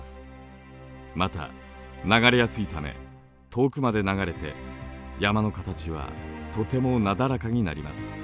また流れやすいため遠くまで流れて山の形はとてもなだらかになります。